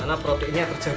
karena proteinnya terjaga